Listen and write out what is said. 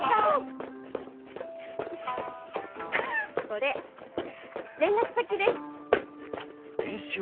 これ連絡先です。